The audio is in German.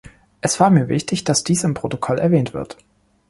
Es war mir wichtig, dass dies im Protokoll erwähnt wird.